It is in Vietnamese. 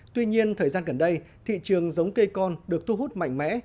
tuy nhiên thời gian gần đây thị trường giống cây con được thu hút mạnh mẽ